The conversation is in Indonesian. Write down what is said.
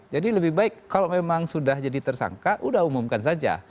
jadi lebih baik kalau memang sudah jadi tersangka sudah umumkan saja